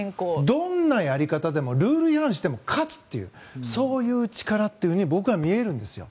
どんなやり方でもルール違反しても勝つというそういう力というふうに僕は見えるんですよ。